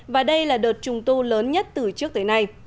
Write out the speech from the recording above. và đây là đợt trùng tu lớn nhất từ trước tới nay